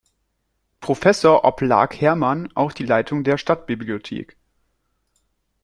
Professor oblag Herrmann auch die Leitung der Stadtbibliothek.